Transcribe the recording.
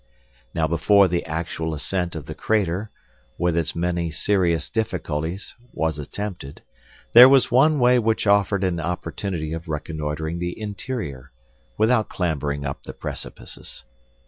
Now before the actual ascent of the crater, with its many serious difficulties, was attempted, there was one way which offered an opportunity of reconnoitering the interior, without clambering up the precipices.